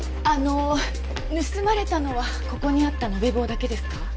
あの盗まれたのはここにあった延べ棒だけですか？